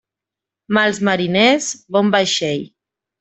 Mals mariners, bon vaixell.